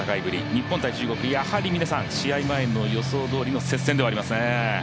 日本×中国、やはり試合前の予想どおりの接戦ではありますね。